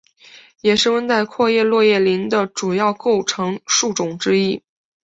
也是温带阔叶落叶林的主要构成树种之一。